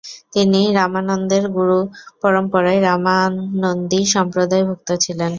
তিনি রামানন্দের গুরুপরম্পরায় রামানন্দী সম্প্রদায়-ভুক্ত ছিলেন।